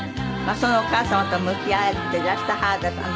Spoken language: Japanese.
そのお母様と向き合っていらした原田さん。